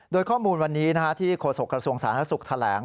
โดยข้อมูลวันนี้ที่โฆษกระทรวงสาธารณสุขแถลง